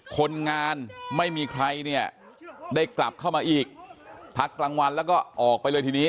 คนงานไม่มีใครเนี่ยได้กลับเข้ามาอีกพักกลางวันแล้วก็ออกไปเลยทีนี้